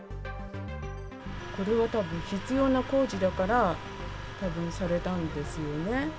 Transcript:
これはたぶん、必要な工事だから、たぶんされたんですよね。